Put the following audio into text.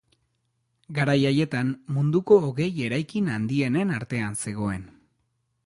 Garai haietan munduko hogei eraikin handienen artean zegoen.